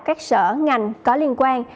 các sở ngành có liên quan